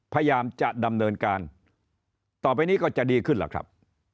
พยายามจะดำเนินการต่อไปนี้ก็จะดีขึ้นล่ะครับ